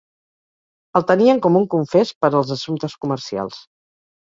El tenien com un confés per els assumptes comercials